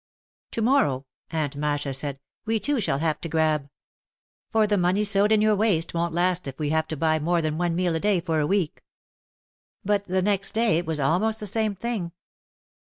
"To morrow," Aunt Masha said, "we too shall have to grab. For the money sewed in your waist won't last if we have to buy more than one meal a day for a week." But the next day it was almost the same thing.